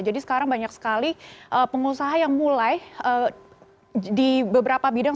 jadi sekarang banyak sekali pengusaha yang mulai di beberapa bidang